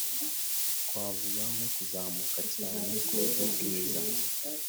twavuga nko kuzamuka cyane ku buryo bwiza